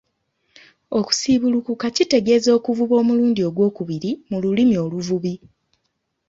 Okusiibulukuka kitegeeza okuvuba omulundi ogwokubiri mu lulimi oluvubi.